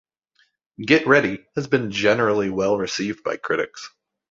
"Get Ready" has been generally well received by critics.